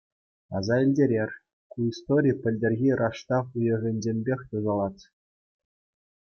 Аса илтерер, ку истори пӗлтӗрхи раштав уйӑхӗнченпех тӑсӑлать.